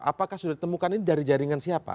apakah sudah ditemukan ini dari jaringan siapa